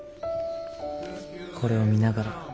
これを見ながら。